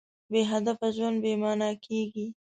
بېهدفه ژوند بېمانا کېږي.